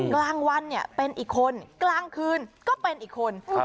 กลางวันเนี่ยเป็นอีกคนกลางคืนก็เป็นอีกคน